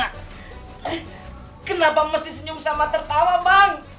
eh kenapa mesti senyum sama tertawa bang